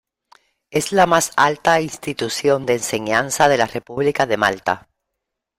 Es la más alta institución de enseñanza de la República de Malta.